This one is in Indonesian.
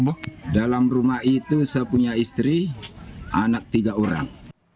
pemilik rumah mengaku sempat ikut terjatuh ke laut